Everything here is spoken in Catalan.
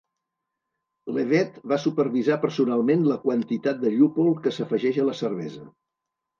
Levett va supervisar personalment la quantitat de llúpol que s"afegeix a la cervesa.